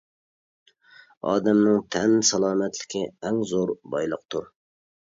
ئادەمنىڭ تەن سالامەتلىكى ئەڭ زور بايلىقتۇر.